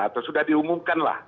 atau sudah diumumkan lah